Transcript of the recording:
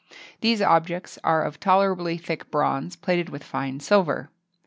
These objects are of tolerably thick bronze, plated with fine silver.